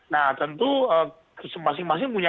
nah tentu masing masing punya